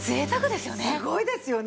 すごいですよね。